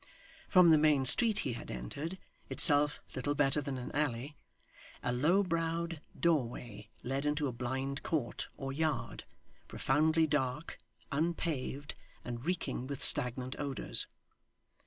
From the main street he had entered, itself little better than an alley, a low browed doorway led into a blind court, or yard, profoundly dark, unpaved, and reeking with stagnant odours.